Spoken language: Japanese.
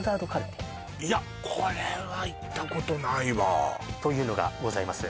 いやこれはいったことないわというのがございます